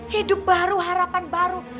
hidup baru harapan baru